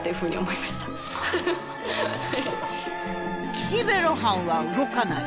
「岸辺露伴は動かない」。